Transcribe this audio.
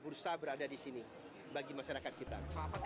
bursa berada di sini bagi masyarakat kita